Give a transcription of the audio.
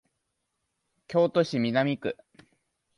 京都市南区